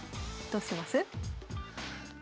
どうします？